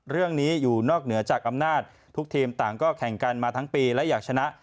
เรื่องนี้อยู่นอกเหนือจากอำนาจทุกทีมต่างก็แข่งกันมาทั้งปีและอยากชนะ